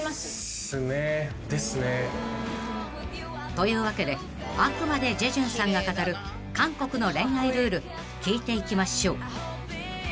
［というわけであくまでジェジュンさんが語る韓国の恋愛ルール聞いていきましょう］